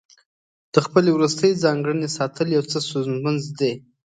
د خپلې وروستۍ ځانګړنې ساتل یو څه ستونزمن دي.